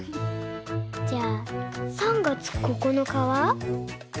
じゃあ３月９日は？